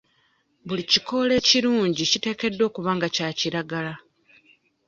Buli kikoola ekirungi kiteekeddwa okuba nga kya kiragala.